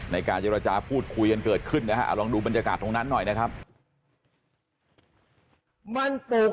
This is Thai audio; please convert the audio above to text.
ในการเจรจาพูดคุยกันเกิดขึ้นนะฮะเอาลองดูบรรยากาศตรงนั้นหน่อยนะครับ